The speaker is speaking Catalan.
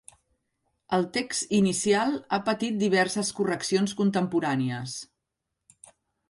El text inicial ha patit diverses correccions contemporànies.